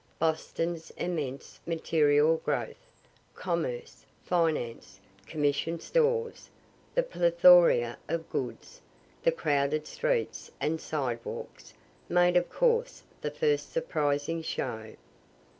Boston's immense material growth commerce, finance, commission stores, the plethora of goods, the crowded streets and sidewalks made of course the first surprising show.